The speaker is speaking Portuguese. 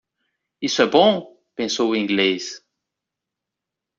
Isso é bom? pensou o inglês.